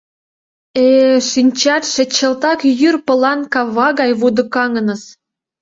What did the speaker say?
Э-э, шинчатше чылтак йӱр пылан кава гай вудакаҥыныс!